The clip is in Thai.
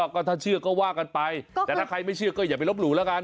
ก็ถ้าเชื่อก็ว่ากันไปแต่ถ้าใครไม่เชื่อก็อย่าไปลบหลู่แล้วกัน